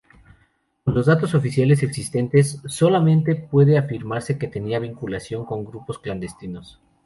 Con los datos oficiales existentes, solamente puede afirmarse que tenía vinculación con grupos clandestinos.